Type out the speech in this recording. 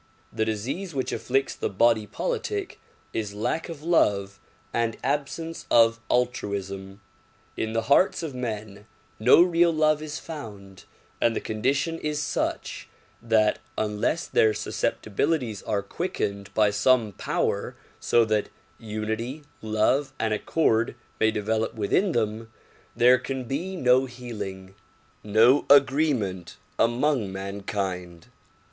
The disease which afflicts the body politic is lack of love and absence of altruism. In the hearts of men no real love is found and the condition is such that unless their susceptibilities are quickened by some power so that unity, love and accord may develop within them, there can be no healing, no agreement among mankind.